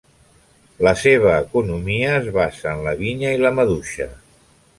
La seva economia es basa en la vinya i la maduixa.